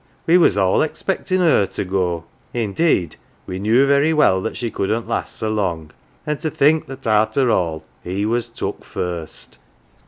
We was all expectin' her to go indeed we knew very well that she couldn't last so long, and to think that arter all he was took first."